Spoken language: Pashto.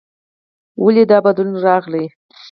ولې دا بدلون راغلی؟